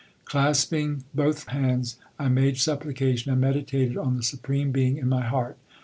Clasping both hands I made supplication and meditated on the Supreme Being in my heart.